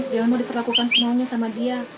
jangan mau diperlakukan semuanya sama dia